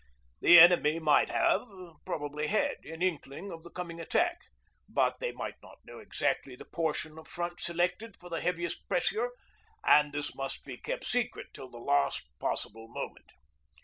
The enemy might have probably had an inkling of the coming attack; but they might not know exactly the portion of front selected for the heaviest pressure, and this must be kept secret till the last possible moment.